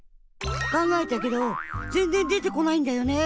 かんがえたけどぜんぜんでてこないんだよね。